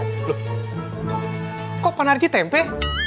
loh kok pak narji tempe